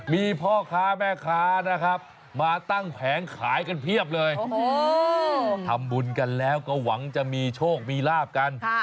มีพ่อค้าแม่ค้านะครับมาตั้งแผงขายกันเพียบเลยทำบุญกันแล้วก็หวังจะมีโชคมีลาบกัน